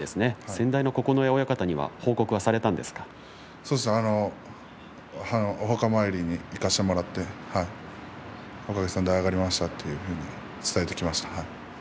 先代の九重親方にはお墓参りに行かせてもらっておかげさまで上がりましたと伝えていきました。